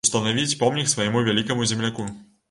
Устанавіць помнік свайму вялікаму земляку.